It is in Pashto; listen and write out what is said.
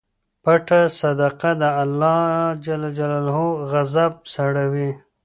پټه صدقه د اللهﷻ غضب سړوي.